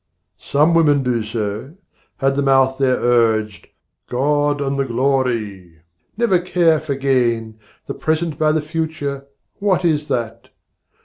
Some women do so. Had the mouth there urged 'God and the glory! never care for gain. 'The present by the future, what is that?